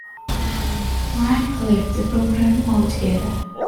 Radke left the program altogether.